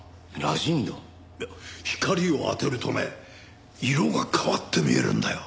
光を当てるとね色が変わって見えるんだよ。